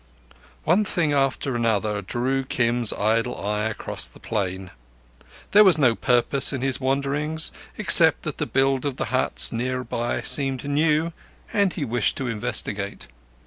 One thing after another drew Kim's idle eye across the plain. There was no purpose in his wanderings, except that the build of the huts near by seemed new, and he wished to investigate.